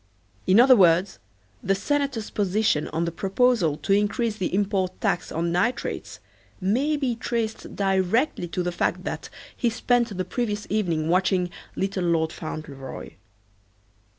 In other words the senator's position on the proposal to increase the import tax on nitrates may be traced directly to the fact that he spent the previous evening watching "Little Lord Fauntleroy."